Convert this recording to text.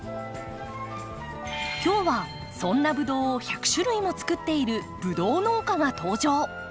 今日はそんなブドウを１００種類もつくっているブドウ農家が登場。